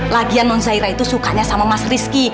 lagian non zahira itu sukanya sama mas rizky